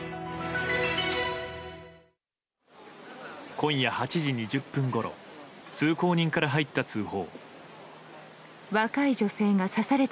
今夜８時２０分ごろ通行人から入った通報。